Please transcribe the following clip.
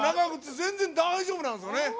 全然大丈夫なんです。